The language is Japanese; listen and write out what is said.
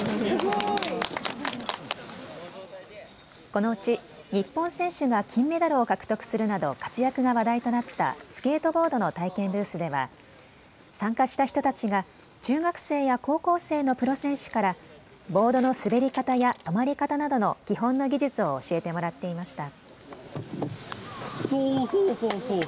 このうち日本選手が金メダルを獲得するなど活躍が話題となったスケートボードの体験ブースでは参加した人たちが中学生や高校生のプロ選手からボードの滑り方や止まり方などの基本の技術を教えてもらっていました。